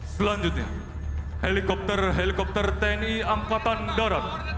selanjutnya helikopter helikopter tni angkatan darat